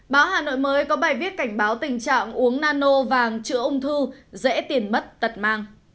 báo hà nội mới có bài viết cảnh báo tình trạng uống nano vàng chữa ung thư dễ tiền mất tật mang